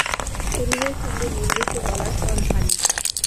শরীরের সঙ্গে মিল রেখে গলার স্বর ভারী।